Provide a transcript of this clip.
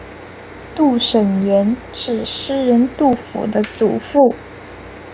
杜审言是诗人杜甫的祖父。